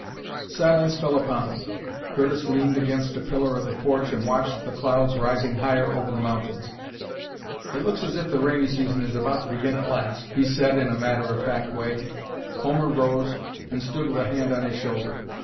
Silence fell upon them. Curtis leaned against a pillar of the porch and watched the clouds rising higher over the mountains. "It looks as if the rainy season is about to begin at last," he said in a matter of fact way. Homer rose and stood with a hand on his shoulder.